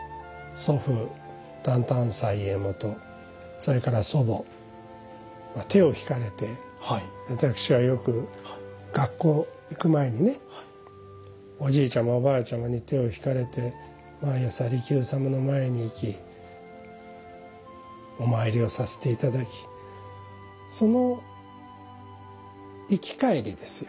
それから祖母手を引かれて私はよく学校行く前にねおじいちゃまおばあちゃまに手を引かれて毎朝利休様の前に行きお参りをさせて頂きその行き帰りですよ。